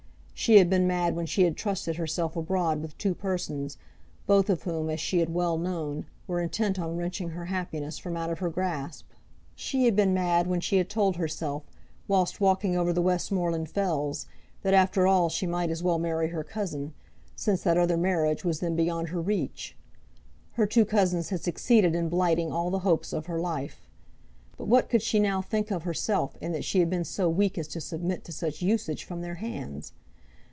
She had been mad when she had trusted herself abroad with two persons, both of whom, as she had well known, were intent on wrenching her happiness from out of her grasp. She had been mad when she had told herself, whilst walking over the Westmoreland fells, that after all she might as well marry her cousin, since that other marriage was then beyond her reach! Her two cousins had succeeded in blighting all the hopes of her life; but what could she now think of herself in that she had been so weak as to submit to such usage from their hands?